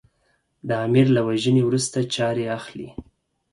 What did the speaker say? د امیر له وژنې وروسته چارې اخلي.